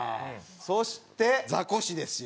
そしてザコシですよ。